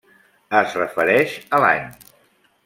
Es refereix a l'any.